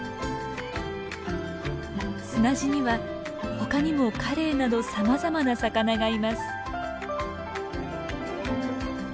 砂地には他にもカレイなどさまざまな魚がいます。